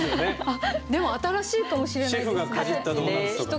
でも新しいかもしれないですね。